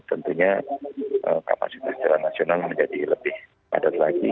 tentunya kapasitas jalan nasional menjadi lebih padat lagi